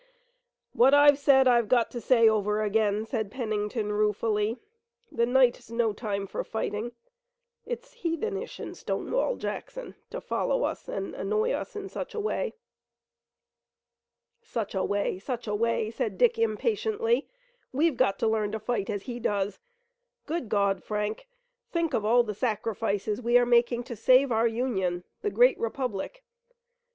"What I said I've got to say over again," said Pennington ruefully: "the night's no time for fighting. It's heathenish in Stonewall Jackson to follow us, and annoy us in such a way." "Such a way! Such a way!" said Dick impatiently. "We've got to learn to fight as he does. Good God, Frank, think of all the sacrifices we are making to save our Union, the great republic!